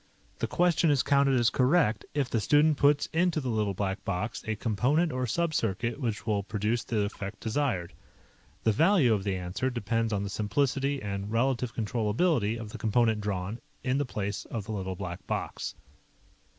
The question is counted as correct if the student puts into the Little Black Box a component or subcircuit which will produce the effect desired. The value of the answer depends on the simplicity and relative controllability of the component drawn in the place of the Little Black Box.